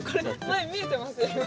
前見えてます？